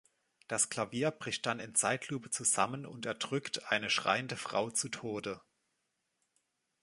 Das Klavier bricht dann in Zeitlupe zusammen und erdrückt eine schreiende Frau zu Tode.